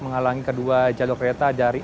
menghalangi kedua jalur kereta dari